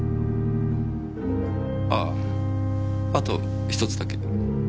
あああと１つだけ。